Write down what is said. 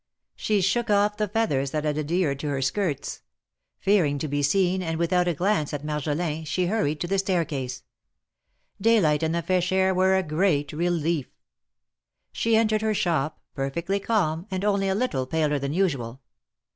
She shook off the feathers that had adhered to her 208 THE MARKETS OF PARIS. skirts. Fearing to be seen, and without a glance at Mar jolin, she hurried to the stair case. Daylight and the fresh air were a great relief. She entered her shop, perfectly calm, and only a little paler than usual.